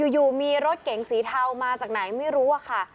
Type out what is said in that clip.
อยู่มีรถเก๋งสีเทามาจากไหนไม่รู้อะค่ะ